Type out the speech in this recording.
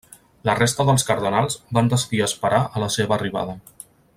La resta dels cardenals van decidir esperar a la seva arribada.